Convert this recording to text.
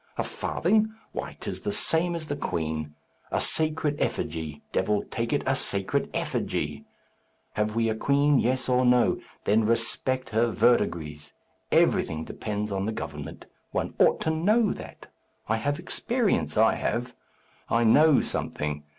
A farthing! Why, 'tis the same as the queen. A sacred effigy! Devil take it! a sacred effigy! Have we a queen yes or no? Then respect her verdigris! Everything depends on the government; one ought to know that. I have experience, I have. I know something.